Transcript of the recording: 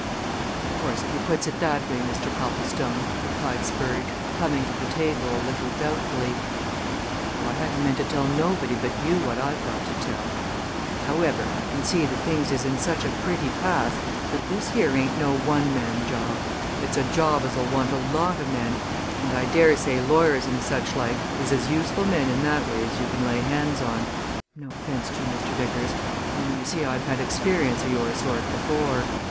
"Well, of course, if you puts it that way, Mr. Copplestone," replied Spurge, coming to the table a little doubtfully. "Though I hadn't meant to tell nobody but you what I've got to tell. However, I can see that things is in such a pretty pass that this here ain't no one man job it's a job as'll want a lot o' men! And I daresay lawyers and such like is as useful men in that way as you can lay hands on no offence to you, Mr. Vickers, only you see I've had experience o' your sort before.